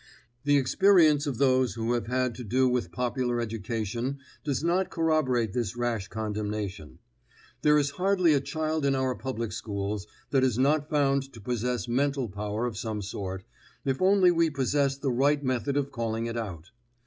The experience of those who have had to do with popular education does not corroborate this rash condemnation. There is hardly a child in our public schools that is not found to possess mental power of some sort, if only we possess the right method of calling it out.